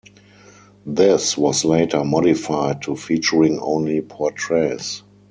This was later modified to featuring only portraits.